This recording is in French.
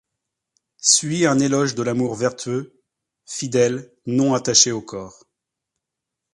Suit un éloge de l'amour vertueux, fidèle, non attaché au corps.